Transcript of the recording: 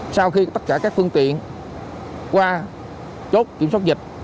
sau khi tất cả các phương tiện qua chốt kiểm soát dịch